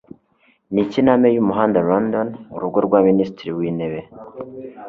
Niki Naame Yumuhanda London Urugo rwa Minisitiri wintebe